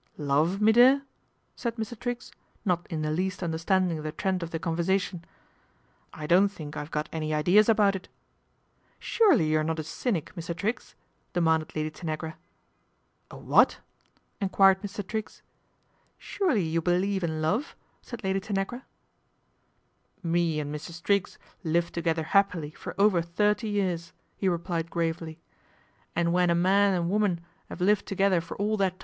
"Love, me dear?" said Mr. Triggs, not in th least understanding the trend of the conversa tion. " I don't think I've got any ideas about it. " Surely you are not a cynic. Mr. Triggs, demanded Lady Tanagra. " A what ?" enquired Mr. Triggs. "Surely you believe in love," said Lad Tanagra. MR. TRIGGS TAKES TEA 221 " Me and Mrs. Triggs lived together 'appily for |ver thirty years," he replied gravely, " and when j man an' woman 'ave lived together fcr all that